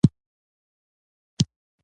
له مخې او ذهنه د هغوی لرې شړل.